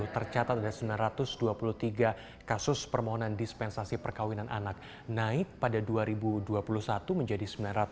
tercatat sembilan ratus dua puluh tiga kasus permohonan dispensasi perkawinan anak naik pada dua ribu dua puluh satu menjadi